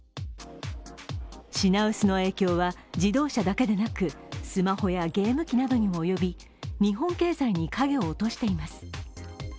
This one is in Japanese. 品薄の影響は自動車だけでなく、スマホやゲーム機などにも及び日本経済に影を落としています。